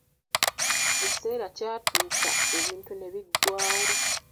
Ekiseera kyatuuka ebintu ne biggwawo.